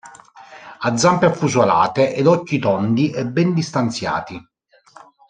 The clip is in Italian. Ha zampe affusolate ed occhi tondi e ben distanziati.